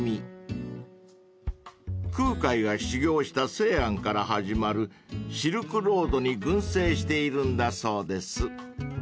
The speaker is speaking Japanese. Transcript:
［空海が修行した西安から始まるシルクロードに群生しているんだそうです］